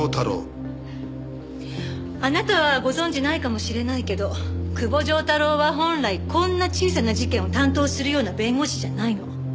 あなたはご存じないかもしれないけど久保丈太郎は本来こんな小さな事件を担当するような弁護士じゃないの。